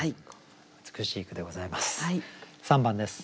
美しい句でございます。